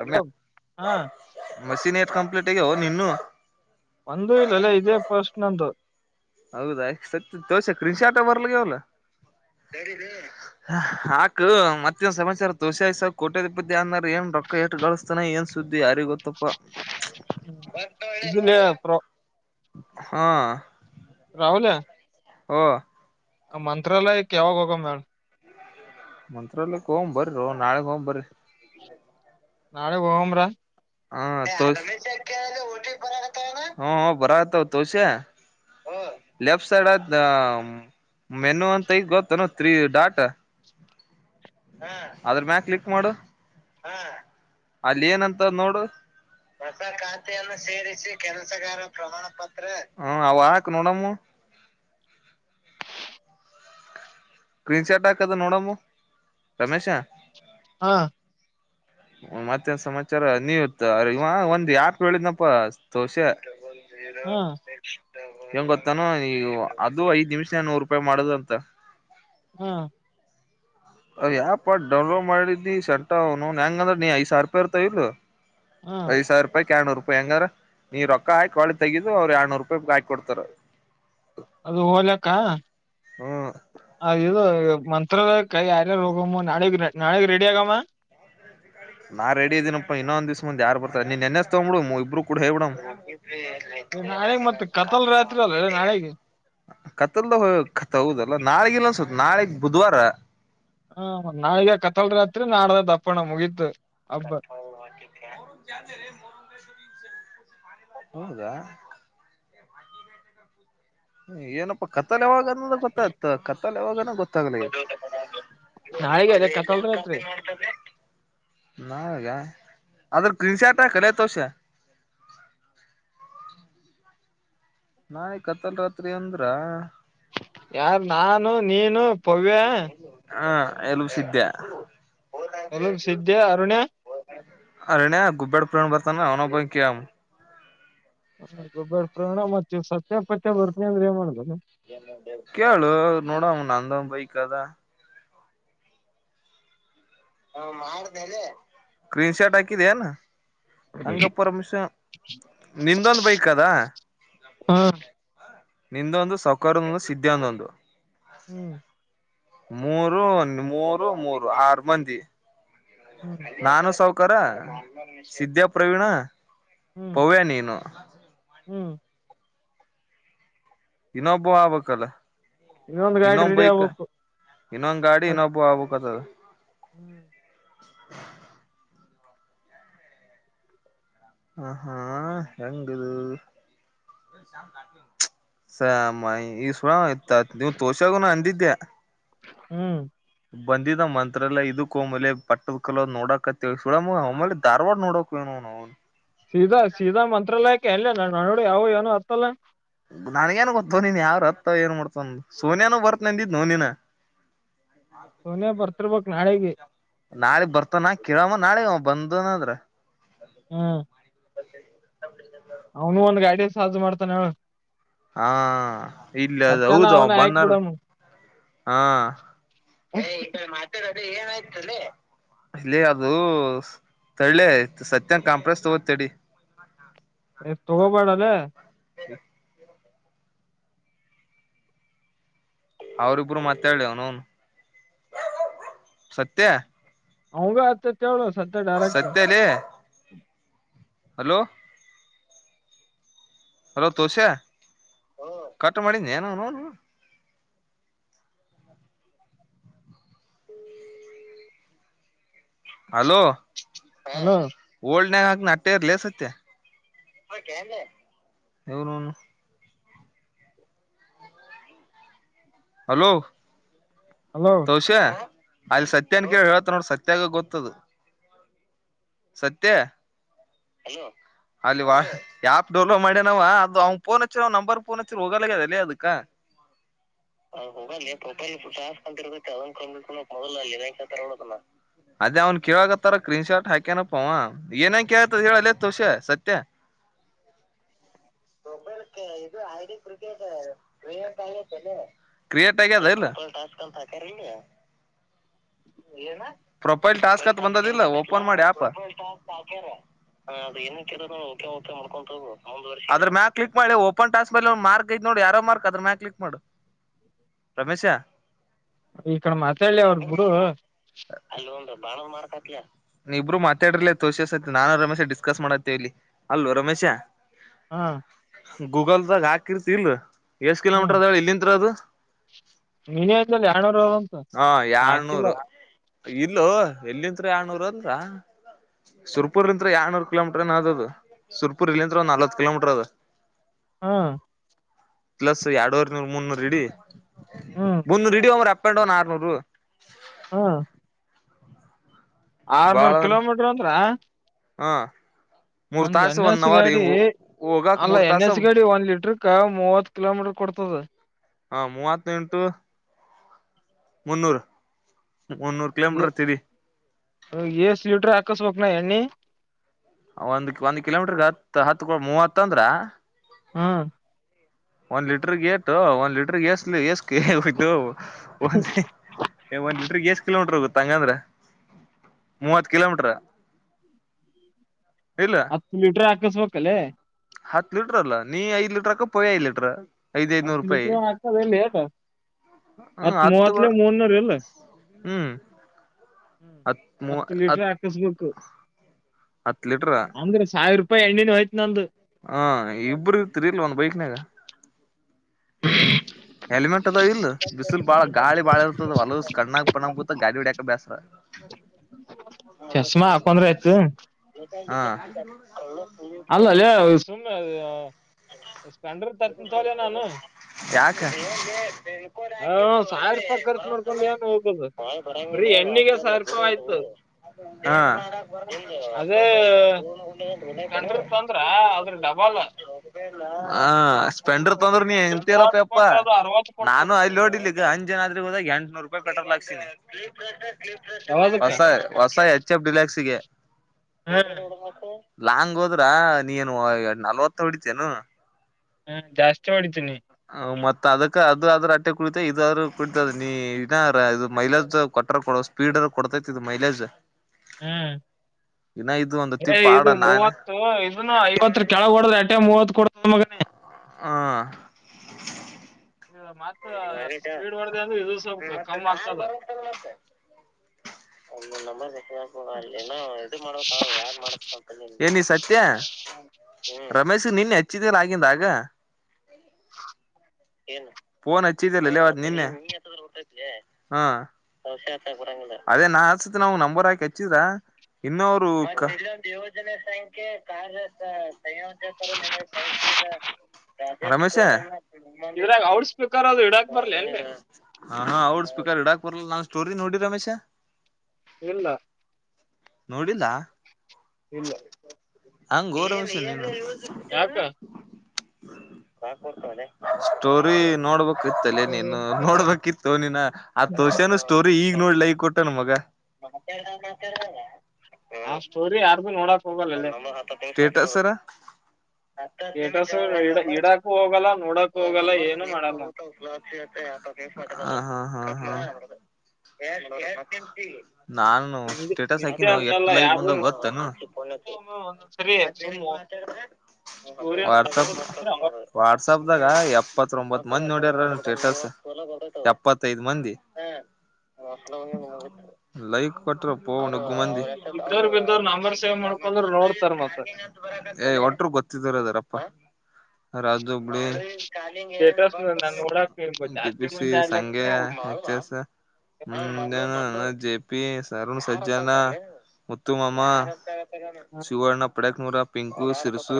ರಮ್ಯಾ ಹಾ machine complete ಅಯ್ಯೋ ನೀನು, ಒಂದೇ [unintelligible] ಇದೇ ಪೋಸ್ಟ್ ನಂದು ಹೌದಾ ಸಕ್ತಿ ತೋಸು ಸ್ಕ್ರೀನ್ ಶಾಟ್ಸ್ ಬರ್ಲಿಯೋಲಾ ಹಾ ಆಕೆ ಮತೇನ್ ಸಮಾಚಾರ ತೋಸೆಸು ಕೋಟ್ಯಾಧಿಪತಿ ಆನೆರೂ ಏನ್ ರೊಕ್ಕ ಎಟ್ಟು ಗಳಿಸ್ತಾನೆ ಏನ್ ಸುದ್ದಿ ಯಾರಿಗ್ ಗೊತ್ತಪ್ಪ. ಹ್ಮ್. ಬತ್ತಾಳೆ ಇದಿಲ್ಲೇ ನೋಡು, ಪ್ರ ಹಾ ರಾಹುಲೆ ಹ್ಮ ಮಂತ್ರಾಲಯಕ್ಕೆ ಯಾವಾಗ ಹೋಗುಮ, ಮಂತ್ರಾಲಯಕ್ಕೆ ಹೋಗಂ ಬರ್ರೋ ನಾಳೆಗೆ ಹೋಗೋಣ ಬರ್ರಿ ನಾಳೆಗೆ ಹೋಮ್ರಾ ಹ ಹ ಬರತವ ತೋಸ್ಯ ಲೆಫ್ಟ್ ಸೈಡ್ ಮೆನು ಅಂತ ಈ ಗೊತ್ತ ತ್ರೀ ಡಾಟ್ ಅದ್ರ್ ಮೇಲೆ ಕ್ಲಿಕ್ ಮಾಡು ಅಲ್ಲಿ ಏನಂತ ನೋ ಹೊಸ ಖಾತೆಯನ್ನು ಸೇರಿಸಿ ಕೆಲಸಗಾರ ಪ್ರಮಾಣ ಪತ್ರ ಹ ಅವಾಕ್ ನೋಡಮ್ಮ್. ಸ್ಕ್ರೀನ್ ಶಾರ್ಟ್ ಹಾಕದು ನೋಡಮ್ಮ್ ರಮೇಶ, ಹಾ ಮತ್ತೆನ್ ಸಮಾಚಾರ ನೀವು ಇತ್ತ ಇವ ಒಂದ್ ಯಾಪ್ ಹೇಳಿದ್ನಪ್ಪ ತೋಷೖ. ಇದ ಹಾ ಸ್ಟ್ರೈಟ್ ಹೆಂಗ್ ಗೊತ್ತಾನು ಇವ ಅದು ಐದ್ ನಿಮಿಷ ನೂರು ರೂಪಾಯಿ ಮಾಡುದು ಅಂತ. ಹಾ ಯಾಪ್ ಡೌನ್ಲೋಡ್ ಮಾಡಿದ್ಲೀ ಸೆಂಟ್ರ ಅವನು ಹೆಂಗಂದ್ರ ನೀ ಐ ಸಾವಿರ ಯಿರ್ತಾವ ಇಲ್ಲೋ. ಹಾ ಐದು ಸಾವಿರ ರೂಪಾಯಿ ಕ್ಯಣೂರು ಹೆಂಗಾರ ನೀ ರೊಕ್ಕ ಹಾಕಿ ಕಳಿ ತೆಗಿದು ಅವ್ರು ಎರಡುರ್ನೂರು ರೂಪಾಯಿ ಹಾಕಿ ಕೊಡ್ತಾರೆ. ಅದು ಹೋಲಕ್ಕ ಅ ಇದು ಏಕ್ ಮಂತ್, ಹ ಕೈ ಹಾಗೆ ಹೋಗುಮ್ ನಾಳೆಗೆ ನಾಳೆೆಗೆ ರೆಡಿ ಆಗಮ್ಮ ನಾ ರೆಡಿ ಇದೀನಪ್ಪ ಇನ್ನೊಂದ್ ದಿವಸ ಮುಂದ್ದೆ ಯಾರ ಬರ್ತಾರೆ ನೀನ್ ಹೆನ್ ಹೆಸ್ ತಗೊಂಡ್ಬಿಡು ಇಬ್ಬರು ಕೂಡ ಹೇ ಬ್ರಿಡನ್. ಬಿಡ್ ಏ, ನಾಳೆಗ್ ಮತ್ ಕತಲ್ ರಾತ್ರಿ ಅಲ್ಲ ನಾಳೆಗೆ ಕತ್ತಲ್ದ ಕತ್ತದಲ್ಲ ನ ಇಲ್ಲೊಂದು, ನಾಳಿಗ್ ಬುಧವಾರ. ಹ ನಾಳಿಗ ಕತ್ತಲ್ ರಾತ್ರಿ ನಾಡ್ದ ದಪ್ಪಣ ಮುಗೀತ್. [inaudible] ಹೌದಾ. ಹ್ಮ ಏನಪ್ಪಾ ಕತ್ತಲ್ ಯಾವಾಗ. [inaudible] ಅವಾಗನ ಗೊತ್ತಾಗ್ಲಿ. ನಾಳೆಗೆ ಅದೇ ಕತಲ್ ರಾತ್ರಿ ನಾವಿಗ. ಅದ್ರ ಕ್ರಚಟ ಕೆತಸ [inaudible] ನಾಳಿಗ ಕತ್ತಲ್ ರಾತ್ರಿ ಅಂದ್ರ. ಯಾರ್ ನಾನು ನೀನು. ಪವ್ಯ ಹಾ. ಎಲೂ ಸಿದ್ಯಾ. ಎಲ್ಲೂ ಸಿದ್ದೆ ಅರುಣ್ಯ [inaudible] ಅರುಣ್ಯಾ ಗುಬ್ಬೇಡ್ ಪು ಬರ್ತನ ಅವನ ಪ ಕಾಮ [inaudible] ಹ ಗುಬ್ಬ್ಯಾಡ್ ಪ್ರವೀಣ ಮತ್ತಿವ್ ಸತ್ಯಪತ್ಯ ಬರ್ತನಿ ಅಂದ್ರೆ ಏನ್ ಮಾಡ್ದ. ಕೇಳು ನೋಡಮ್ ನಂದದ ಬೈಕ್. ಕದ. ಕ್ರೀನ್ ಶಾರ್ಟ್ ಹಾಕಿದೆನ. ಹಂಗ ಪರಮಿಷನ್ ನಿಂದೊಂದ್ ಬೈಕ್ ಅದಾ. ಹಾ ನಿಂದೊಂದು ಸೌಕಾರಂದು ಸಿದ್ಧ್ಯಾದೊಂದು. ಹ್ಮ್. ಮೂರು ಓನ್ ಮೂರು ಮೂರು ಆರು ಮಂದಿ. ಹ್ಮ್ ನಾನು ಸೌಖ. ಕರ ಸಿದ್ದ್ಯಾ ಪ್ರವೀಣ. ಹ್ಮ್ ಪವ್ವ್ಯಾ ನೀನು. ಹ್ಮ್ ಇನ್ನೊಬ್ಬ ಆಗ್ಬಕ್ಲ್. ಇನ್ನೊಂದ್ ಗಾಡಿ ರೆಡಿ ಇನ್ನೊಂಬೈಕ್ ಆಗ್ಬೇಕು ಇನ್ನೊಂದ್ ಗಾಡಿ ಇನ್ನೊಬ್ಬ ಆಗ್ಬಕ್ತದ. ಹ್ಮ್. [inaudible] ಹ ಹಾ ಹೆಂಗಿದು ಸಾಮ ಈ ಸು ಇಯತ್ತ್ ನೀವ್ ತೋಷಾಗನು ಅಂದಿದ್ದ್ಯಾ. ಹ್ಮ್. ಬಂದಿದ ಮಂತ್ರ ಎಲ್ಲ ಇದಕ್ಕ ಹಮೇಲೆ ಪಟ್ಟದ ಕಲೋ್ ನೋಡಕತ್ತವ ಸುೇಲೆ ಧವಾಡ ನೋಡಕವನೋ ನಾವು [inaudible] ಸೀಧಾ ಸೀಧಾ ಮಂತ್ರಾಲಯಕ್. ಎಲ್ಲ ನ ನಡು ಯಾವು ಏನೂ ಅತ್ತಲ್ಲ. ನನ್ಗೇನ್ ಗೊತ್ತ ನೀನ್ ಯಾವ್ರ ಅತ್ ಏನ್ ಮಾಡ್ತವ ಸೋನ್ಯಾನು ಬರ್ತೀನಿನಂದಿದ್ ನೋನಿನ. ಸೋನ್ಯಾ ಬರ್ತಿರ್ಬಕ್ ನಾಳಿಗಿ. ನಾಳಗ್ ಬರ್ತಾನ ಕೇಳಮ್ಮ ನಾಳೆ ಬಂದನದ್ರ ಹ್ಮ್ ಅವನು ಒಂದ್ ಗೈಡೆನ್ಸ್ ಮಾಡ್ತಾನೆ ಅವ್ನ್ ಹಾ ಇಲ್ಲಿ ಅದು ಹೌದ ಅವನ ಹಾಕ್ ಬಂದಾರ ಬಿಡಮ್ [inaudible] ಹಾ ಇಲ್ಲಿ ಅದು ತಡಿಲೇ ಅಯ್ತು ಸತ್ಯನ್ ಕಾಂಪ್ರೆಸ್ ತಗೋತಡಿ ಹೇ ತಗೋಬೇಡ [unintelligible] [unintelligible] ಅವರಿಬ್ಬರು ಮಾತಾಡ್ಲಿ ಅವ್ನು ಅವ್ನು ಸತ್ಯ [unintelligible] ಕೇಳು ಸತ್ಯ ಡೈರೆಕ್ಟ್ ಸತ್ಯಲೇ ಹಲೋ ಹಲೋ ತುಷ ಕಟ್ ಮಾಡಿ ಏನೋ [unintelligible] ಹಲೋ ಹಾ ಹಲೋ ಹೋಲ್ಡ್ ಸತ್ಯ [unintelligible] ಹಲೋ ಹಲೋ [unintelligible] ಅಲ್ಲಿ ಸತ್ಯನ್ ಕೇಳಿ ಹೇಳತ ನೋಡ ಸತ್ಯಾಗ ಗೊತ್ತದು ಸತ್ಯ ಎಲ್ಲೋ ಆಪ್ ಡೌನ್ಲೋಡ್ ಮಾಡೋನವ ಅವಂಗ ಅವಂಗ ಫೋನ್ ಹಚ್ಚಿದ್ರೆ ಅವ್ನು ನಂಬರ್ಗೇ ಫೋನ್ ಹಚ್ಚಿದ್ರೆ ಹೋಗಲ್ದೆ ಅವಂದಕ್ಕ [unintelligible] ಅದೇ ಅವ್ನ್ ಕೇಳಕಾತರ ಸ್ಕ್ರೀನ್ಶಾಟ್ ಏನಪ್ಪಾ ಏನ ಕೇಳ್ತದ ಹೇಳಲ್ಲ ತುಷೆ ಸತ್ಯ [unintelligible] ಕ್ರಿಯಟ್ ಆಗ್ಯಾದೇನು ಹೇ ಪ್ರೊಪೈಲ್ ಟಾಸ್ಕ್ ಹತ್ ಬಂದದಿಲ್ಲ ಫೋನ್ ಮಾಡಿ ಆಪ್ ಹಾಕ್ಯರೆ ಅದು ಏನು ಓಕೆ ಓಕೆ ಮಾಡ್ಕೊಂತ ಹೋಗು ಆದ್ರೂ ಮೇಲೆ ಕ್ಲಿಕ್ ಮಾಡಿ ಓನ್ ಟಾಸ್ಕ್ ಮಾರ್ಕ್ ಐತೋಡಿ ಅರೋ ಮಾರ್ಕ್ ಆದ್ರೂ ಮ್ಯಾಗ್ ಕ್ಲಿಕ್ ಮಾಡಿ ಈ ಕಡೆ ಮಾತಾಡ್ಲೆ ಅವದ್ರು ಬಿಡು ಇಬ್ರು ಮಾತಾಡಿರ್ಲ ತೋಷಸತಿ ನಾನು ರಮೇಶ ಡಿಸ್ಕಸ್ ಮಾಡತ್ತೇವ ಇಲ್ಲಿ ಅಲ್ಲೋ ರಮೇಶ ಹಾ ಗೂಗಲ್ದಾಗ ಹಾಕಿರ್ತಿಲ್ ಎಷ್ಟ ಹ್ಮ್ ಕಿಲೋಮೀರ್ದಳ ಇಂತ್ರ ಅದು [unintelligible] ಹಾ ಹಾಕಿಲ್ಲ ಏಳುನೂರು [inaudible] ಇಲ್ಲೋ ಎಲ್ಲಿದ್ರಾ ಏಳುನೂರು ಅಂದ್ರ ಸುರ್ಪುರ್ ಇದ್ರ ಏಳುನೂರು ಕಿಲೋಮೀಟ್ರ ಏನ್ ಅದ ಅದು ಸುರ್ಪುರ್ ಇಲ್ಲಿಂದ ಒಂದ್ ನಲ್ವತ್ ಕಿಲೋಮೀಟರ್ ಅದ ಹಾ ಪ್ಲಸ್ ಎರಡ್ರ್ ನೂರ್ ಮುನ್ನೂರ್ ಇಡಿ ಹ್ಮ್ ಬಂದು [unintelligible] ಡೊನ್ ಆರ್ನೂರು ಹಾ ಆರ್ನೂರ್ ಕಿಲೋಮೀಟರ್ ಅಂದ್ರ ಹಾ ನಂದ ಎನ್ ಎಸ್ ಗಾಡಿ ಹೋಗಾಕ್ ಅಲ್ಲ ಮೂರ್ ಎನ್ ತಾಸ ಎಸ್ ಗಾಡಿ ಒಂದ ಲೀಟರ್ ಆರಾಮ್ ಮೂವತ್ ಕಿಲೋಮೀಟರ್ ಕೊಡ್ತದ. ಹಾ ಮೂವತ್ತೆಂಟು ಮುನ್ನೂರು ಎ ಎ ಸ ಲೀಟ್ರ ಆ ಕಸಬೇಕ್ ನಾ ಎಣ್ಣಿ. ಒಂದ್ ಒಂದ ಕಿಲೋಮೀಟರ್ಗ ಹತ್ತ ಹತ್ತ ರೂಪಾಯಿ ಮೂವತ್ತ ಹತ್ತಂದ್ರ ಹಾ ಒಂದ್ ಲೀಟರ್ಗ್ ಏಟು ಒಂದ್ ಲೀಟರ್ಗ್ ಏಸ್ ಏಸ್ [unintelligible] ಹೋಯ್ತು ಒಂದ್ ಒಂದ್ ಲೀಟರ್ಗೆ ಎಷ್ಟ ಕಿಲೋಮೀಟರ್ ಹೋಗ್ತೈತಿ. ತಂಗಂದ್ರ ಮೂವತ್ ಕಿಲೋಮೀಟರ್ ಇಲ್ಲ ಹತ್ತ ಲೀಟರ್ ಆ ಕಸಬೇಕಲ್ಲೇ. ಹತ್ ಲೀಟ್ರ ಅಲ್ಲಾ ನೀ ಐದ್ ಲೀಟರ್ಕ ಪವ್ಯ ಐದ ಲೀಟ್ರ. ಹತ್ ಲೀಟ್ರ ಹಾಕದ ಎಲ್ಲಿ ಏನ್ ಹ್ಮ ಹತ್ ಹತ್ತು ಮೂವತ್ಲೆ ಮೂನ್ನೂರ್ ಇಲ್ಲ ಹ್ಮ್ ಹತ್ ಮೂವ ಹತ್ತು ಲೀಟ್ರ ಹತ್ ಹಾಕಸ್ಬೇಕು ಹತ್ ಲೀಟ್ರ ಅಂದ್ರೆ ಸಾವಿರೂಪಾಯ ಎಣ್ಣಿನ ಹೋಯ್ತ ನಂದು ಹಾ ಇಬ್ಬರ್ ಇರ್ತಿರಿಲ್ಲ ಒಂದ್ ಬೈಕ್ನಾಗ. ಹೆಲಿಮೆಟ್ ಅದಾವ ಇಲ್ಲ. ಬಿಸಿಲ ಬಾಳ ಗಾಳಿ ಬಾಳ ಇ ಹೊಲಸ್ ಕಣ್ಣಾಗ್ ಪಿನ್ನಾಗ್ ಬೀಳ್ತದ್ ಗಾಡಿ ಹೊಡ್ಯಾಕೆ ಬ್ಯಾಸರ. ಚಷ್ಮಾ ಹಾಕೊಂಡ್ರ ಆಯ್ತಲಾ. [unintelligible] ಅಲ್ಲಲೆ ಸುಮ್ಮ್ನೆ ಸ್ಪ್ಲೆಂಡರ್ ತರ್ತಿಂತೋಲೆ ನಾನು. ಹಾ ಹ ಹ ಸಾವಿರ ರೂಪಾಯಿ ಖರ್ಚು ಮಾಡ್ಕೊಂಡ್ ಏನ್ ಹೋಗೋದು ಬರೀ ಎಣ್ಣಿಗೆ ಸಾವಿರ ರೂಪಾಯಿ ಆಯ್ತು ಅದೇ ಸ್ಪೆಂಡರ್ ತಂದ್ರ ಅದ್ರ ಡಬಲ್ ಸ್ಪೆಂಡರ್ ತಂದ್ರ ಮೂವತ್ತು [unintelligible] ಪ್ಪಾ ಕೊಟ್ರ ಅದು ಅರವತ್ತು ನಾನು ಕೊಡ್ತದ ಅಲ್ಲಿ ನೋಡಿಲಿ ಈಗ ಅಂಜನಾದ್ರಿ ಹೋದಾಗ ಎಂಟನೂರ ರೂಪಾಯಿ ಪೆಟ್ರೋಲ್ ಹಾಕ್ಸಿನಿ ಯಾವದಕ್ಕ ಹೊಸ ಹೊಸ ಯ ಪ್ ಡಿಲಾಕ್ಸಿಗೆ ಹಾ ಪಷ ನೋಡ ಮತ್ರ ಲಾಂಗ್ ಹೋದ್ರ ನೀನು ಎ ನಲ್ವತ್ತು ಹೊಡಿತೇನು ಹ್ಮ ಜಾಸ್ತಿ ಮಾಡಿದ್ದೀನಿ ಮತ್ತತ್ ಅದಕ್ಕ ಅದ ಆದ್ರ ಅಟ್ಟೆ ಕುಡಿತ ಇದಾದ್ರೂ ಕುಡಿತದ ನೀನ ಇದು ಮೈಲೇಜ್ ಕೊಟ್ಟ್ರ ಕೊ ಸ್ಪೀಡ್ ಕೊಡ್ತೈತಿದು ಮೈಲೇಜ್ ಹ್ಮ್ ಇನ್ನ ಇದು ಒಂದು ಏ ತಿಪ್ ಆಡ ಇದು ನಾನೇ ಮೂವತ್ತು ಇದನ್ನು ಐವತ್ತುರ ಕೆಳಗ ಹೊಡ್ರ ಅಟ್ಟೆ ಮೂವತ್ತು ಕೊಡ ಮಗನ ಹ ಮತ್ತ ಸ್ಪೀಡ್ ಹೊರ್ದ ಅಂದ್ರೆ ಇದು ಸ್ವಲ್ಪ ಕಮ್ಮ್ ಆಗ್ತದ ಒ ನಮ್ಮ ಏನೋ ಎಡಿ ಮಾಡ್ಬೇಕಕ್ ಯಾರನ್ ಮಾಡಂತ ಮತ್ತ ರಮೇಶ್ ನಿನ್ನೆ ಹೆಚ್ಚಿದಲ್ಲ ಆಗಿಂದಾಗ ನ್ ಹಚ್ಚಿದಲ್ಲ ಅವ ನಿನ್ನೆ ಹ ಅದೇ ನಾಸತ್ ನಾ ನಂಬರ್ ಹಾಕಿ ಹಚ್ಚಿದ್ರ ಇನ್ನು ಅವರು ರಮೇಶ ಇದ್ರಾಗ ಔಡ್ ಸ್ಪೀಕರ್ ಅದು ಹಡಾಕ್ ಬರ್ಲಿ ಅಲ್ಲಿ ಹಾ ಔಡ್ ಸ್ಪೀಕರ್ ಹಿಡಾಕ್ ಬರ್ಲ್ಲ ನಾ್ ಸ್ಟೋರಿ ನೋಡಿ ರಮೇಶ ಇಲ್ಲ ನೋಡಿಲ್ಲ ಇಲ್ಲ ಹಂಗ ಗೌರವಂಶ ನೀ ಯಾಕ ತದ ಕಾಕಡ್ತವಳ ಸ್ಟೋರಿ ನೋಡ್ಬೇಕು ಗತ್ತಲೇ ನೀನು ನೋಡ್ಬೇಕಿತ್ತು ನೀಿನ ಆ ತೋಷನು ಸ್ಟೋರಿ ಈಗ್ ನೋಡ್ಲ ಕೊಟ್ಟನು ಮಗ ಆ ಸ್ಟೋರಿ ಯಾರು ನೋಡಕ್ ಹ ಹೋಗಲ್ಲಲ್ಲೇ ನಮ್ಮ ಹ ಎ ಸರ ಹತ್ತು ಹತ್ತು ನಿಮಿಷ ಸ್ಟೇಟಸ್ ಒಂದ್ ಇಡ ನಂಬರ್ ಇಡಾಕು ಹೋಗಲ್ಲ ನೋಡಕ್ ಒಂದ್ ಹೋಗಲ್ಲ ನಂಬರ್ ಏನು ಮಾಡಲ್ಲ ಊಟಲಾ ಇಗತ್ತೆ ನಿ ನಾನು ನಿಂದೆ ಸ್ಟೇಟಸ್ ನಿಂದೆ ಹಾಕಿನ ಎಷ್ಟ ಅಂತಲ್ಲ ಲೈಕ್ ಯಾರ್ದು ಬಂದಾಗ ಗೊತ್ತನು ಒಂದೊಂದ್ಸರಿ ಸುಮ್ ಸ್ಟೋರಿ ನೋಡಕ್ ಕೊಡ್ತಿದ್ರ ಅವಾಗ ನೋಡ್ ವಾಟ್ಸಪ್ದಾಗ ಎಪ್ಪತ್ೊಂಬತ್ ಮಂದ ಸ ಎತ್ತ ಮಂದಿ ಲೈಕ್ ಕೊಟ ಇದ್ದೋರ್ ಬಿದ್ದೋರ್ ನಂಬರ್ ಸೇವ್ ಮಾಡ್ಕೊಂಡ್ರ ನೋಡ್ತಾರ ಮತ್ತ [inaudible] ಏ ಒಟರು ಗೊತ್ತಿದಾರ ಅದಾರಪ್ಪ ಪಾಯ ರಾಜು ಹುಬಳಿ ಸ್ಟೇಟಸ್ ನಾನ್ ನೋಡಾಕ್ ಇವ್ ಟ ಪ ಜಾಸ್ತಿ ಸಿ ಮಂದಿ ಸಂಗ್ಯಾ ಆಗ್ಲತ್ತನೆ ಎಚ್ಚ ಎಸ್ ಪಿ ಅರುಣ್ ಸಜ್ಜನಾ ಮುತ್ತುುಮಮ್ಮ ಸುವರ್ಣ ಪಡಕ್ ಮೂೂರ ಪಿಂಕು ಸಿರಿಸು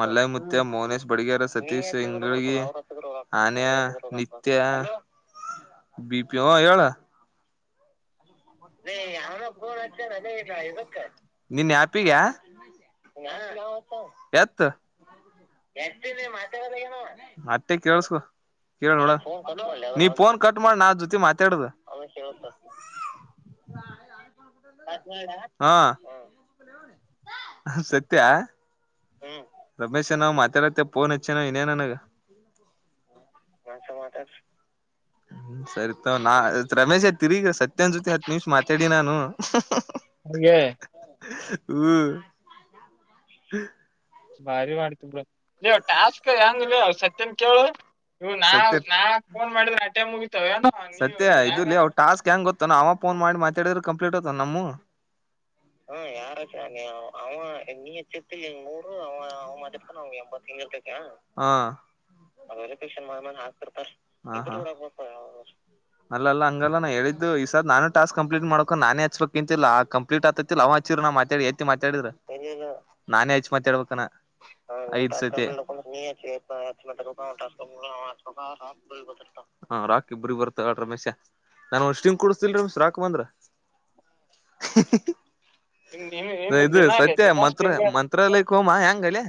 ಮಲ್ಲಯೈ ಮುತ್ಯಾ ಮೋನೇಶ್ ಬಡಿಗೇರ್ ಸತೀಶ್ ಇಂಗಳಗಿ ಅನ್ಯ ನಿತ್ಯ ಬಿ ಪಿ ಹೂ ಹೇಳ ಲೆ ಯಾವನೋ ನಿನ್ ಆ್ಯಪ್ಗಾ ಎತ್ ಮತ್ತೆ ಕೇಳಸ್ಕೋ ಕೇಳ ನೋಡ ನೀ ಪೋನ್ ಕಟ್ ಮಾಡ ನ ಜೊತೆ ಮಾತಾಡುದು [unintelligible] ಹಾ ಸತ್ಯ ರಮೇಶ್ ನಾವ್ ಮಾತಾಡತೆವ ಫೋನ್ ಹಚ್ಚೇನಾ ವಿನ್ಯ ನನಗ ಹ್ಮ ಸರಿ ತೊಗೊ ರಮೇಶ ತಿರುಗಿ ಸತ್ಯ ನಿಮ್ಷ ಮಾತಾಡಿ ನಾನು ಹಂಗೆ ಹ್ಮ ಭಾರಿ ಮಾಡ್ತಿ ಬಿಡ್ ಲೆ ಟಾಸ್ಕ್ ಹೆಂಗಳೆ ಸತ್ಯನ್ ಕೇಳು ನೀವು ನಾ ಸತ್ಯ ನಾ ಪೋನ್ ಮಾಡಿದ್ರ ಆಟೆ ಮುಗೀತ ಸತ್ಯ ಇದು ಲೆ ಅವ ಟಾಸ್ಕ್ ಹೆಂಗ್ ಗೊತ್ತ ಏನು ಅವ ಪೋನ್ ಮಾಡಿ ಮಾತಾಡಿದ್ರ ಕಂಪ್ಲೀಟ್ ಆತಾವ ಏನ್ ನಾಮವ್ ಅಲ್ಲಲ್ಲ ಹಂಗಲ್ಲ ನ ಹೇಳಿದ್ದು ಈ ಸರ್ ನಾನು ಟಾಸ್ಕ್ ಕಂಪ್ಲೀಟ್ ಮಾಡ್ಕೊಂಡ ನಾನೇ ಹಚ್ಬೇಕಂತಿಲ್ಲ ಕಂಪ್ಲೀಟ್ ಆತತಿಲ್ಲ ಅವ್ ಹಚ್ಚಿದ್ರ ನ ಮಾತಾಡಿದ್ರ ಏತಿ ಮಾತಾಿದ್ರ ನಾನೇ ಹಚ್ಚ ಮಾತಾಡ್ಬೇಕ್ ಏನ್ ಐತಿ ಸತಿ [unintelligible] ಥರ್ಡ್ ರಮೇಶ್ ನಂಗ್ ಒಂದ ಸ್ಟಿಂಗ್ ಕುಡಸ್ತಿ ಇಲ್ಲಾ ರೋಕ್ ಬಂದ್ರ ನಿಮ್ ನಿಮ್ ಇದು ದಿನ ಲೇ ಸತ್ಯ ದಿನ ಮಂತ್ರ ಸ್ಟಿಂಗ್ ಮಂತ್ರಾಲಯಕ್ಕೆ ಹೋಮ ಹೆಂಗಲೆ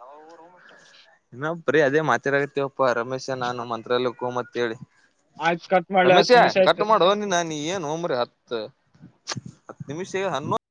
ಯಾವ ರೂಮ [unintelligible] ಬರೇ ಅದೇ ಮಾತಿದಾಗ ಇರ್ತೆವ್ ರಮೇಶ ನಾನು ಮಂತ್ರಲ್ಲಯಕ ಹೋಗಂ ಅಂತ ಹೇಳಿ ಆಯ್ತ್ ಕಟ್ ಮಾಡ್ಲಿ ಹತ್ತ್ ರಮೇಶ್ಯಾ ನಿಮಿಷ ಆಯ್ತ್ ಕಟ್ ಮಾಡೋ ನೀನ್ ನೀನ್ ಏನೋ ಮಾರಾಯ ಹತ್ತ ಹತ್ತು ನಿಮಿಷ ಹಾನೊಂದ